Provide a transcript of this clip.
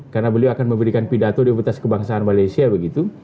karena beliau akan memberikan pidato di ombudas kebangsaan malaysia